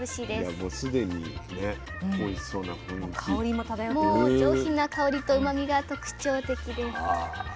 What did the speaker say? もう上品な香りとうまみが特徴的です。